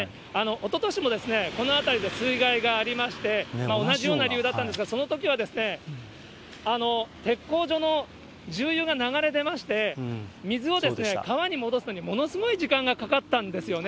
おととしもこの辺りで水害がありまして、同じような理由だったんですが、そのときは鉄工所の重油が流れ出まして、水を川に戻すのにものすごい時間がかかったんですよね。